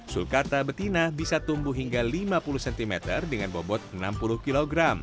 sulkata betina bisa tumbuh hingga lima puluh cm dengan bobot enam puluh kg